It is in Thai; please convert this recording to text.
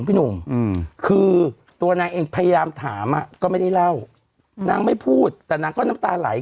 พี่หนุ่มคือตัวนางเองพยายามถามอ่ะก็ไม่ได้เล่านางไม่พูดแต่นางก็น้ำตาไหล